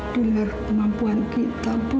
dengar kemampuan kita bu